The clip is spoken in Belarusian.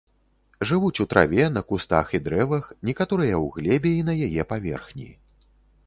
Жывуць у траве, на кустах і дрэвах, некаторыя ў глебе і на яе паверхні.